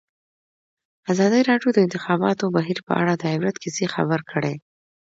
ازادي راډیو د د انتخاباتو بهیر په اړه د عبرت کیسې خبر کړي.